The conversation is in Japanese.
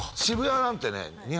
渋谷なんてね